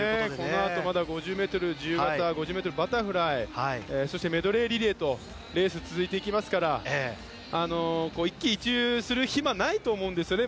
このあとまだ５０ｍ自由形５０ｍバタフライそして、メドレーリレーとレースが続いていきますから一喜一憂する暇はないと思うんですね。